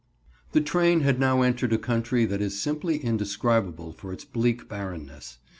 _ The train had now entered a country that is simply indescribable for its bleak barrenness.